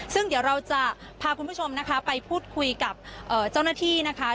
ซึ่งเดี๋ยวเราจะพาคุณผู้ชมนะคะไปพูดคุยกับเจ้าหน้าที่นะคะ